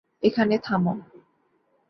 এখানে থাম।